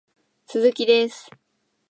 鈴木です